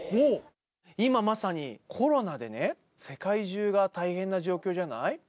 今まさに、コロナでね、世界中が大変な状況じゃない？